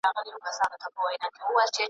په لږ وخت کي به د ښار سرمایه دار سم .